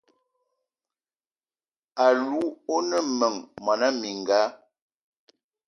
Alou o ne meng mona mininga?